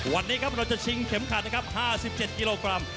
วันนี้ครับเราจะชิงเข็มขัดนะครับ๕๗กิโลกรัม